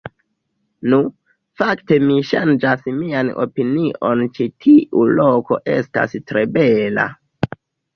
Nu, fakte mi ŝanĝas mian opinion ĉi tiu loko estas tre bela